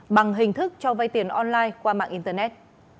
bằng hình thức cho vay tiền online qua mạng internet